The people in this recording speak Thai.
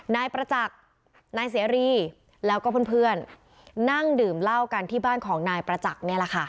นายประจักษ์นายเสรีแล้วก็เพื่อนนั่งดื่มเหล้ากันที่บ้านของนายประจักษ์นี่แหละค่ะ